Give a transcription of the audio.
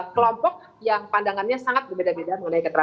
kelompok yang pandangannya sangat berbeda beda